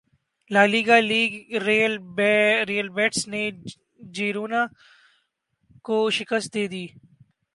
La Liga league Real Betis نے Girona کو شکست دیدی